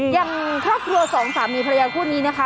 อย่างครอบครัวสองสามีภรรยาคู่นี้นะคะ